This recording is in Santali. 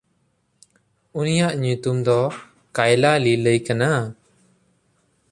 ᱩᱱᱤᱭᱟᱜ ᱧᱩᱛᱩᱢ ᱫᱚ ᱠᱟᱭᱞᱟᱼᱞᱤᱞᱟᱹᱭ ᱠᱟᱱᱟ᱾